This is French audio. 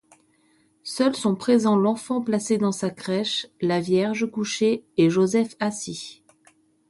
Seuls sont présents l'Enfant placé dans sa crèche, la Vierge couchée et Joseph assis.